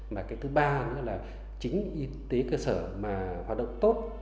mà thứ ba chính y tế cơ sở mà hoạt động tốt